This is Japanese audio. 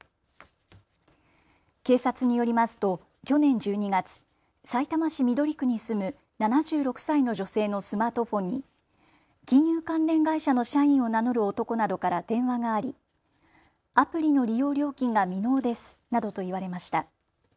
警察によりますと去年１２月、さいたま市緑区に住む７６歳の女性のスマートフォンに金融関連会社の社員を名乗る男などから電話がありアプリの利用料金が未納ですなどと言われました。